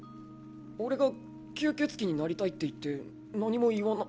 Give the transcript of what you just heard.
俺が吸血鬼になりたいって言って何も言わな。